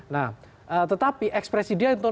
nah tetapi ekspresi dia